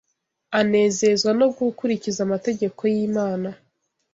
anezezwa no gukurikiza amategeko y’Imana